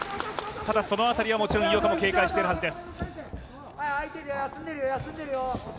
ただ、その辺りはもちろん井岡も警戒しているはずです。